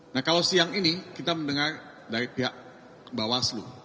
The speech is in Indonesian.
nah kalau siang ini kita mendengar dari pihak bawaslu